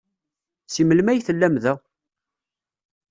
Seg melmi ay tellam da?